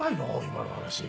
今の話。